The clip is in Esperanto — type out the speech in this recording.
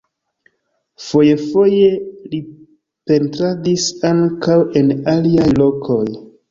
Foje-foje li pentradis ankaŭ en aliaj lokoj.